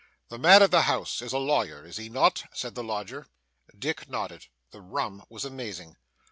'The man of the house is a lawyer, is he not?' said the lodger. Dick nodded. The rum was amazing.